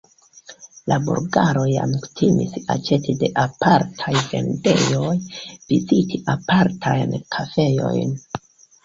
La bulgaroj jam kutimis aĉeti de apartaj vendejoj, viziti apartajn kafejojn.